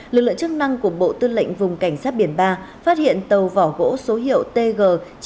lực lượng chức năng của bộ tư lệnh vùng cảnh sát biển ba phát hiện tàu vỏ gỗ số hiệu tg chín mươi